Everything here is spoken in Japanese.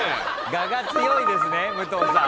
我が強いですね武藤さん。